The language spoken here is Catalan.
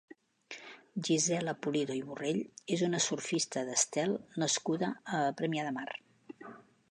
Gisela Pulido i Borrell és una surfista d'estel nascuda a Premià de Mar.